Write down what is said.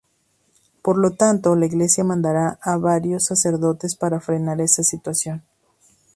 Por lo tanto la iglesia mandará a varios sacerdotes para frenar esa situación.